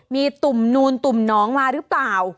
มีตุ่มนูนตุ่มน้องมาหรือเปล่า